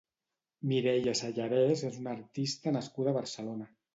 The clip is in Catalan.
Mireia Sallarès és una artista nascuda a Barcelona.